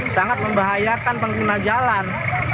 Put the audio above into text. sangat membahayakan pengguna jalan